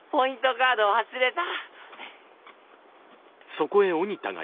カード忘れた。